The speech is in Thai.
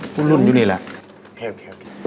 พวกรุ่นอยู่นี่แหละ